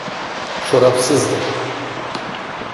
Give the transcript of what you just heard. Çorapsızdı.